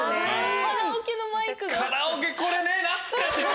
カラオケこれね懐かしい！